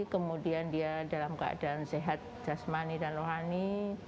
kemudian dia dalam keadaan sehat jasmani dan rohani